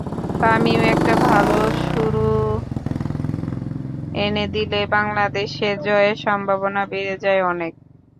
তামিম একটা ভালো শুরু এনে দিলে বাংলাদেশের জয়ের সম্ভাবনা বেড়ে যায় অনেক।